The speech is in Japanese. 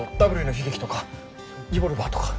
「Ｗの悲劇」とか「リボルバー」とか。